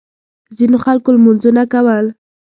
ځینو خلکو لمونځونه کول.